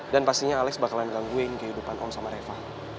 dan pastinya alex bakalan gangguin kehidupan om sama reva